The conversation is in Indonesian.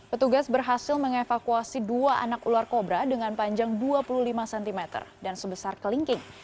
petugas berhasil mengevakuasi dua anak ular kobra dengan panjang dua puluh lima cm dan sebesar kelingking